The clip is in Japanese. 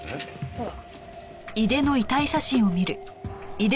ほら。